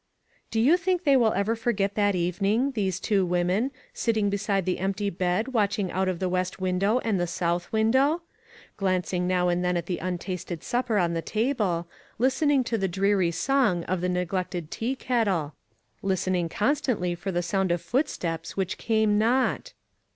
Do you think they will ever forget that evening, those two women, sitting beside the empty bed watching out of the west window and the south window? Glancing now and then at the untasted supper on the table ; listening to the dreary song of the neglected teakettle; listening constantly for the sound of footsteps which came not?